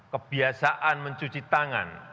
kebiasaan mencuci tangan